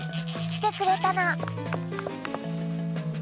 きてくれたの。